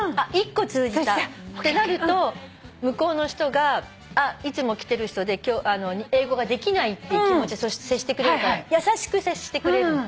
１個通じたってなると向こうの人が「あっいつも来てる人で英語ができない」って気持ちで接してくれるから優しく接してくれるの。